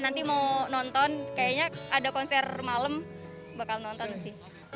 nanti mau nonton kayaknya ada konser malam bakal nonton sih